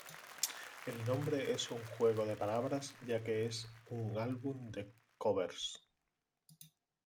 El nombre es un juego de palabras ya que es un álbum de covers.